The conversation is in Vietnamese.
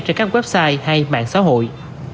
trên các website hay mạng xã hội